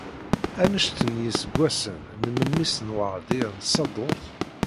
Anect n yiseggasen n memmi-s n Weṛdiya n Tsaḍurt?